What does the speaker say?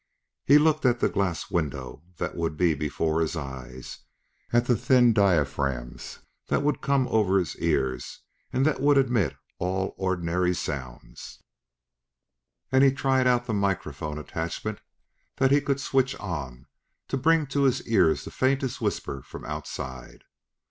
He looked at the glass window that would be before his eyes; at the thin diaphragms that would come over his ears and that would admit all ordinary sounds; and he tried out the microphone attachment that he could switch on to bring to his ears the faintest whisper from outside.